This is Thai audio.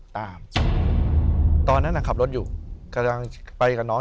ตอนนั้นขับรถอยู่กำลังไปกับน้อง